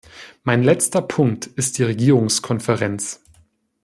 Mein letzter Punkt ist die Regierungskonferenz.